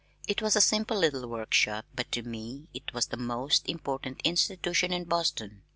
It was a simple little workshop but to me it was the most important institution in Boston.